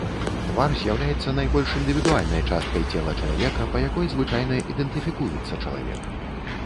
Твар з'яўляецца найбольш індывідуальнай часткай цела чалавека, па якой звычайна ідэнтыфікуецца чалавек.